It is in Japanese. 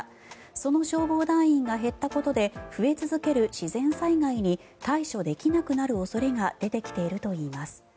その消防団員が減ったことで増え続ける自然災害に対処できなくなる恐れが出てきているといいます。